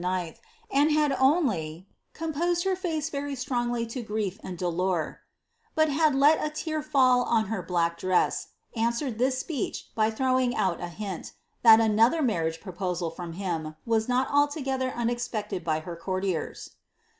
aad had not only ^ composed her face very strongly to grief and dtilour," bat had let a tear fkW on her black dress, answered this speech by throw ing oat a hint, that another marriage proposal from him was not alto fcther aneipected by her courtiers.